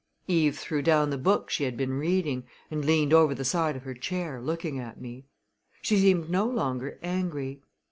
Eve threw down the book she had been reading and leaned over the side of her chair, looking at me. She seemed no longer angry.